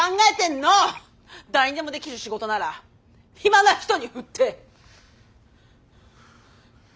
誰にでもできる仕事なら暇な人に振って！